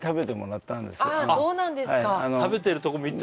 あそうなんですかあっ